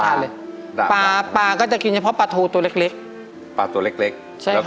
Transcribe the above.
แล้วปลาปลาก็จะกินเฉพาะปลาทูตัวเล็กปลาตัวเล็กใช่ค่ะ